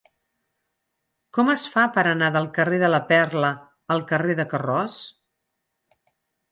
Com es fa per anar del carrer de la Perla al carrer de Carroç?